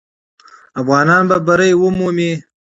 افغانان به بری ومومي.